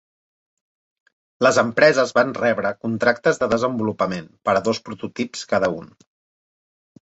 Les empreses van rebre contractes de desenvolupament per a dos prototips cada un.